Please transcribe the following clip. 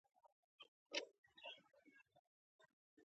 د خلکو همکاري مهمه ده